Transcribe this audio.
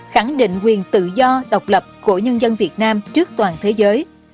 khẳng định quyền tự do độc lập của nhân dân việt nam trước toàn thế giới